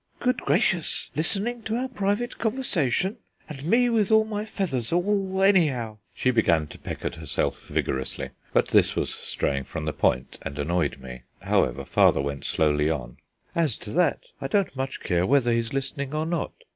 "Good gracious! listening to our private conversation! and me with my feathers all anyhow!" She began to peck at herself vigorously; but this was straying from the point, and annoyed me. However, Father went slowly on: "As to that, I don't much care whether he's listening or not.